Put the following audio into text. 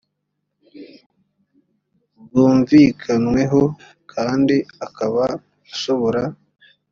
bwumvikanweho kandi akaba ashobora